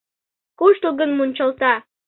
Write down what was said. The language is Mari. Куштылгын мунчалта.